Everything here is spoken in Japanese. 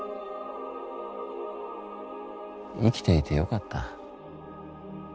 生きていてよかった。